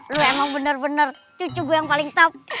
lo emang bener bener cucu gue yang paling top